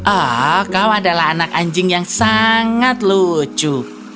oh kau adalah anak anjing yang sangat lucu